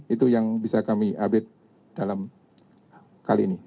itu yang bisa kami update dalam kali ini